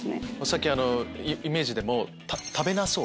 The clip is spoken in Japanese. さっきイメージでも。